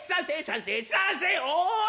「おい！